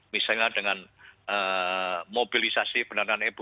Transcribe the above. misalnya dengan mobilisasi pendanaan ibu